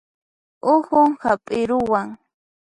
Uhun hap'iruwan